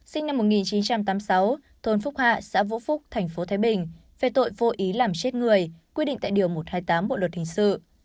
sinh năm một nghìn chín trăm tám mươi sáu thôn phúc hạ xã vũ phúc tp thái bình về tội vô ý làm chết người quy định tại điều một trăm hai mươi tám bộ luật hình sự